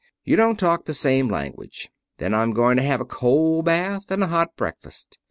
You don't talk the same language. Then I'm going to have a cold bath, and a hot breakfast.